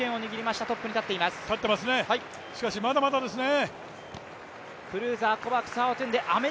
しかし、まだまだですね。